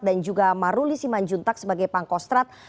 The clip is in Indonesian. dan juga maruli siman juntak sebagai pangkostrat